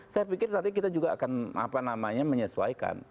saya pikir nanti kita juga akan menyesuaikan